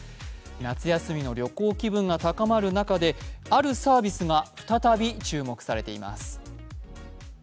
夏休みの旅行気分が高まる中であるサービスが再び注目されています。